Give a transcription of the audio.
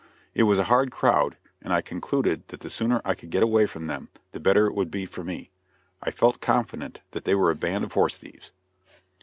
It was a hard crowd, and I concluded that the sooner I could get away from them the better it would be for me. I felt confident that they were a band of horse thieves.